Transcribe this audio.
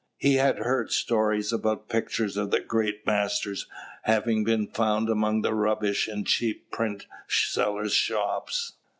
He had heard stories about pictures of the great masters having been found among the rubbish in cheap print sellers' shops.